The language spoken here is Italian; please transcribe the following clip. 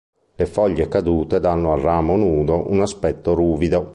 Le foglie cadute danno al ramo nudo un aspetto ruvido.